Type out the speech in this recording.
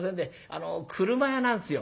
あの俥屋なんですよ